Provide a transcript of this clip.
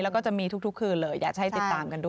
แล้วก็จะมีทุกคืนเลยอยากจะให้ติดตามกันด้วย